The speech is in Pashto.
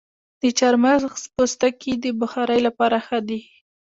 د چارمغز پوستکي د بخارۍ لپاره ښه دي؟